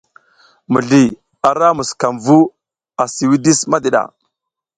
Mizliy ara musukam vu asi widis madiɗa.